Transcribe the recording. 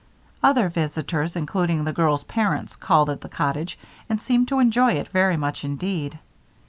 Other visitors, including the girls' parents, called at the cottage and seemed to enjoy it very much indeed.